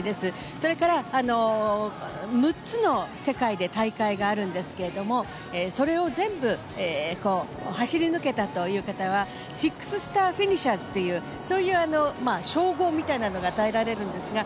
それから６つの世界で大会があるんですがそれを全部走り抜けたという方は６スターフィニシャスというそういう称号が与えられるんですが